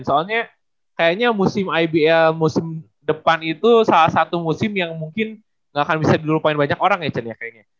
soalnya kayaknya musim ibl musim depan itu salah satu musim yang mungkin gak akan bisa dilupain banyak orang ya chen ya kayaknya